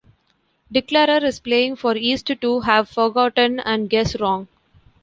Declarer is playing for East to have forgotten and guess wrong.